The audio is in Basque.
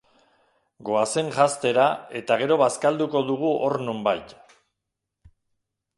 Goazen janztera, eta gero bazkalduko dugu hor nonbait.